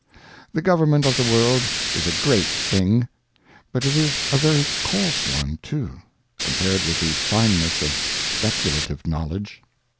The Government of the World is a great thing ; but it is a very coarse one too, compared with the Fineness of Speculative Knowledge.